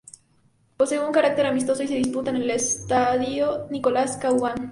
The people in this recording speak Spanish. Posee un carácter amistoso y se disputa en el Estadio Nicolás Chahuán.